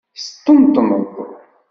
Teṭṭenṭneḍ?